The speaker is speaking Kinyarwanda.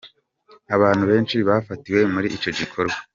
Abantu benshi bafatiwe muri ico gikorwa.